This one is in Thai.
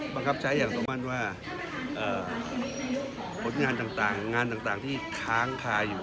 ประคับใช้อย่างสมมันว่าเอ่อผลงานต่างต่างงานต่างต่างที่ค้างคาอยู่